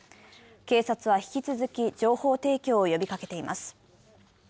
警察は、引き続き情報提供を呼びかけています。